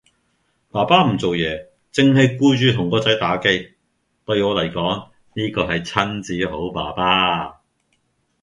爸爸唔做嘢凈系顧住同個仔打機，對我嚟講呢個係親子好爸爸